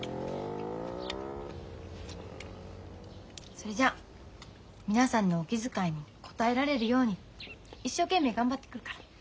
それじゃ皆さんのお気遣いに応えられるように一生懸命頑張ってくるから。